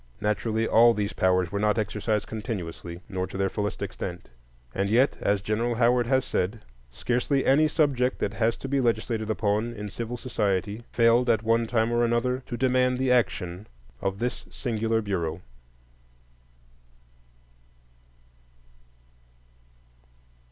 Naturally, all these powers were not exercised continuously nor to their fullest extent; and yet, as General Howard has said, "scarcely any subject that has to be legislated upon in civil society failed, at one time or another, to demand the action of this singular Bureau."